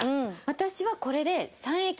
私はこれで。